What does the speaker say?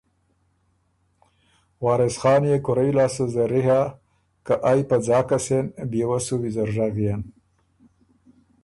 وارث خان يې کورئ لاسته زَری هۀ که ائ په ځاکه سېن بيې وه سو ویزر ژغيېن۔